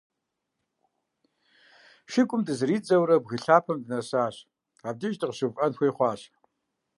Шыгум дызэридзэурэ, бгы лъапэм дынэсащ, абдеж дыкъыщыувыӏэн хуей хъуащ.